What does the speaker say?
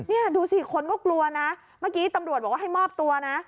นี่ดูสิคนก็กลัวนะเมื่อกี้ตำรวจบอกว่าให้มอบตัวนะ